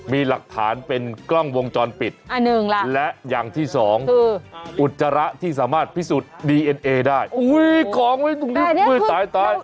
มีหลักฐานเป็นกล้องวงจรปิดและอย่างที่สองคืออุจจาระที่สามารถพิสูจน์ดีเอ็นเอได้อุ้ยกองไว้ตรงนี้อุ้ยตาย